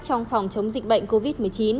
trong phòng chống dịch bệnh covid một mươi chín